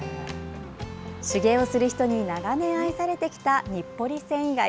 手芸をする人に長年愛されてきた日暮里繊維街。